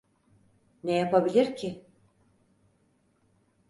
Ne yapabilir ki?